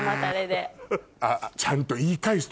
あっちゃんと言い返すとこも。